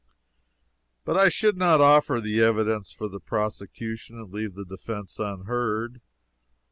But I should not offer the evidence for the prosecution and leave the defense unheard.